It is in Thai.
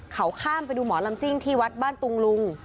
เขาข้ามไปดูหมอลำซิ่งที่วัดบ้านตุงลุง